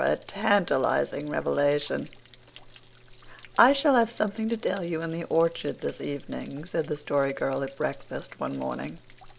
A TANTALIZING REVELATION "I shall have something to tell you in the orchard this evening," said the Story Girl at breakfast one morning.